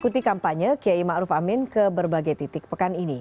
ikuti kampanye kiai ma'ruf amin ke berbagai titik pekan ini